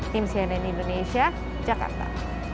tim cnn indonesia jakarta